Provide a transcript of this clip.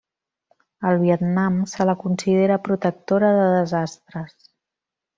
Al Vietnam se la considera protectora de desastres.